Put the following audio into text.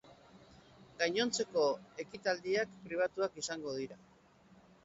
Gainontzeko ekitaldiak pribatuak izango dira.